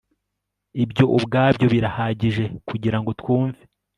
ibyo ubwabyo birahagije kugira ngo twumve